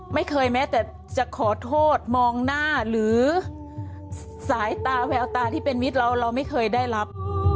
แม้แต่จะขอโทษมองหน้าหรือสายตาแววตาที่เป็นมิตรเราเราไม่เคยได้รับ